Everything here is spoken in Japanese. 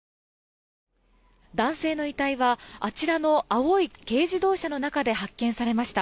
男性の遺体はあちらの青い軽自動車の中で発見されました。